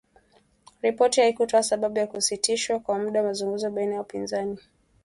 Ripoti haikutoa sababu ya kusitishwa kwa muda mazungumzo baina ya wapinzani.